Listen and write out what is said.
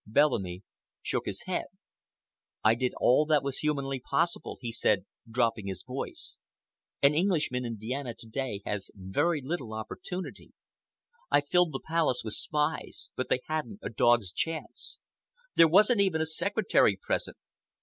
Bellamy shook his head. "I did all that was humanly possible," he said, dropping his voice. "An Englishman in Vienna to day has very little opportunity. I filled the Palace with spies, but they hadn't a dog's chance. There wasn't even a secretary present.